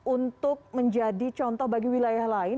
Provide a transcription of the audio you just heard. untuk menjadi contoh bagi wilayah lain